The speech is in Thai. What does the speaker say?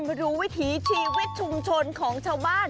วิถีชีวิตชุมชนของชาวบ้าน